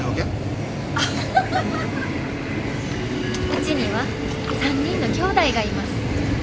うちには３人のきょうだいがいます。